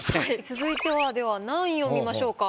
続いてはでは何位を見ましょうか？